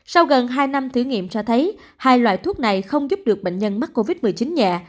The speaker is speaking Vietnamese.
sau gần hai năm thử nghiệm cho thấy hai loại thuốc này không giúp được bệnh nhân mắc covid một mươi chín nhẹ